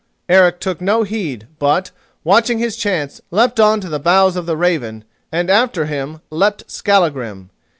Eric took no heed, but, watching his chance, leapt on to the bows of the Raven, and after him leapt Skallagrim.